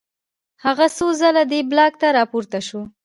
هغه څو ځله دې بلاک ته راپورته شو